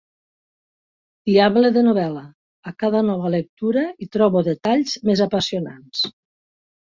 Diable de novel·la: a cada nova lectura hi trobo detalls més apassionants!